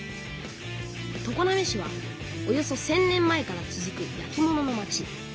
常滑市はおよそ１，０００年前から続く焼き物の町。